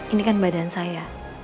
ini kan badan saya